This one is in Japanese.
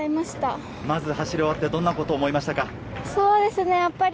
走り終わって、どんなことを思いましたか。